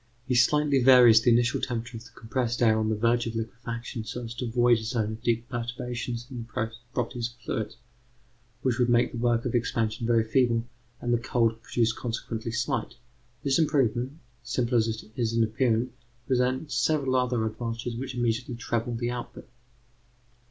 He slightly varies the initial temperature of the compressed air on the verge of liquefaction so as to avoid a zone of deep perturbations in the properties of fluids, which would make the work of expansion very feeble and the cold produced consequently slight. This improvement, simple as it is in appearance, presents several other advantages which immediately treble the output.